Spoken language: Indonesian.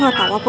gak tau apa